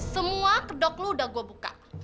semua kedok lu udah gue buka